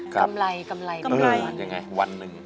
กำไรบ้านวันหนึ่ง